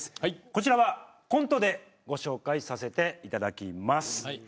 こちらは、コントでご紹介させていだたきます。